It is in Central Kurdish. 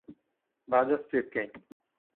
با دەست پێ بکەین!